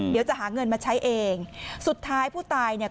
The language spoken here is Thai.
เดี๋ยวจะหาเงินมาใช้เองสุดท้ายผู้ตายเนี่ย